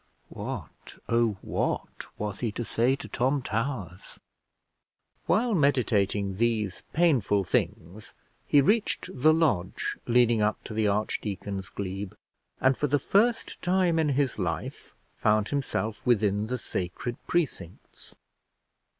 What, oh what! was he to say to Tom Towers? While meditating these painful things he reached the lodge leading up to the archdeacon's glebe, and for the first time in his life found himself within the sacred precincts.